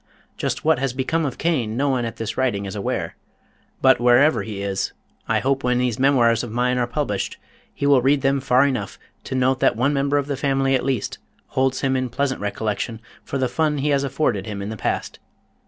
Just what has become of Cain no one at this writing is aware, but wherever he is I hope when these memoirs of mine are published he will read them far enough to note that one member of the family at least holds him in pleasant recollection for the fun he has afforded him in the past.